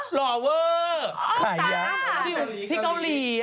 หล่อเวอร์สุปตาที่เกาหลี